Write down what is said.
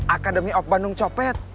akademi ok bandung copet